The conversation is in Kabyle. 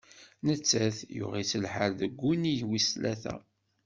Nettat, yuɣ-itt lḥal deg wunnig wis-tlata.